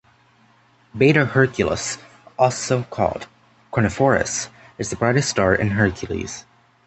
Beta Herculis, also called Kornephoros, is the brightest star in Hercules.